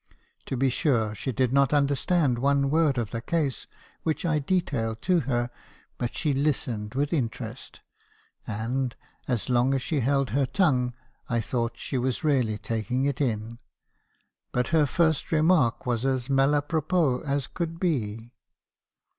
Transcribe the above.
To be sure she did not understand one word of the case, which I detailed to her ; but she listened with interest, and, as long as she held her tongue, I thought she mr. Harrison's confessions. 289 was really taking it in ; but her first remark was as mat a propos as could be.